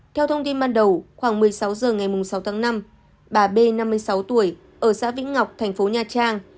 theo thông tin ban đầu khoảng một mươi sáu h ngày sáu tháng năm bà b năm mươi sáu tuổi ở xã vĩnh ngọc thành phố nha trang